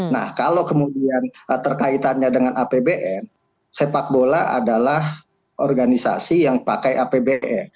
nah kalau kemudian terkaitannya dengan apbn sepak bola adalah organisasi yang pakai apbn